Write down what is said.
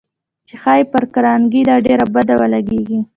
چې ښايي پر کارنګي دا ډېره بده ولګېږي.